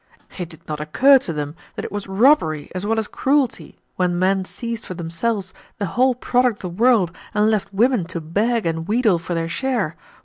It did not occur to them that it was robbery as well as cruelty when men seized for themselves the whole product of the world and left women to beg and wheedle for their share.